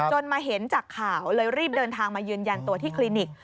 มาเห็นจากข่าวเลยรีบเดินทางมายืนยันตัวที่คลินิก